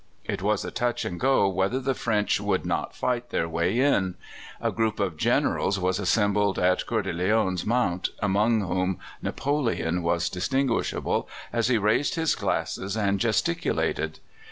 It was a touch and go whether the French would not fight their way in. A group of Generals was assembled on Cœur de Lion's Mount, among whom Napoleon was distinguishable, as he raised his glasses and gesticulated.